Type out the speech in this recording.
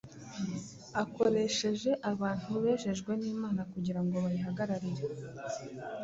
akoresheje abantu bejejwe n’Imana kugira ngo bayihagararire.